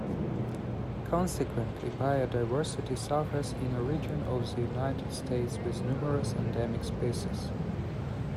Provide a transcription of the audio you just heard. Consequently, biodiversity suffers in a region of the United States with numerous endemic species.